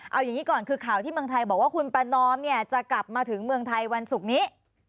เอาอย่างนี้ก่อนคือข่าวที่เมืองไทยบอกว่าคุณประนอมเนี่ยจะกลับมาถึงเมืองไทยวันศุกร์นี้